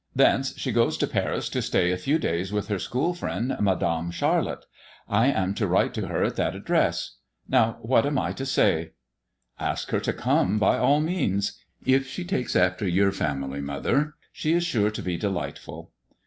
Thence she goes to Paris to stay a few days with her school friend, Madame Charette. I am to write to her at that address. Now, what am I to sayr' "Ask her to come, by all means. If she takes after your family, mother, she is sure to be delightful."